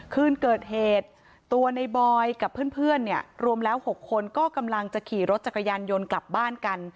คืนเกิดเหตุตัวในบอยกับเพื่อนเนี่ยรวมแล้ว๖คนก็กำลังจะขี่รถจักรยานยนต์กลับบ้านกัน